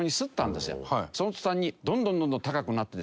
その途端にどんどんどんどん高くなってですね